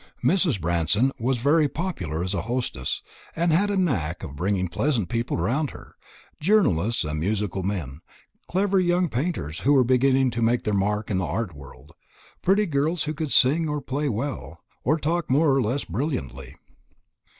Mrs. Branston was very popular as a hostess, and had a knack of bringing pleasant people round her journalists and musical men, clever young painters who were beginning to make their mark in the art world, pretty girls who could sing or play well, or talk more or less brilliantly.